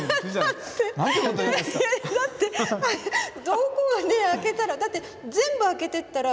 どこがね開けたらだって全部開けてったら。